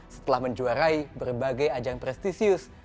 setelah menjuarai berbagai ajang prestisius